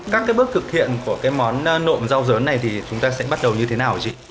các cái bước thực hiện của cái món nộm rau dớn này thì chúng ta sẽ bắt đầu như thế nào hả chị